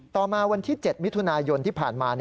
ต่อมาวันที่๗มิถุนายนที่ผ่านมา